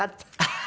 ハハ！